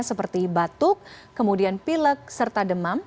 seperti batuk kemudian pilek serta demam